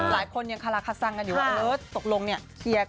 หลายคนยังคาราคาซังกันอยู่แล้วตกลงเกลียร์กันหรือยัง